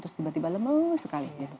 terus tiba tiba lemeng sekali gitu